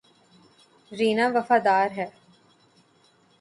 رینا وفادار ہے